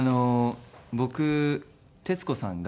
僕徹子さんが。